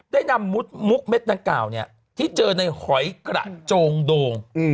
ได้นำมุดมุกเม็ดดังกล่าวเนี่ยที่เจอในหอยกระโจงโดง